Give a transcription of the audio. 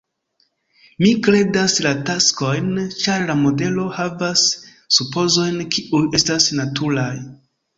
Mi kredas la taksojn, ĉar la modelo havas supozojn, kiuj estas naturaj.